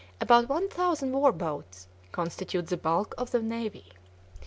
About one thousand war boats constitute the bulk of the navy.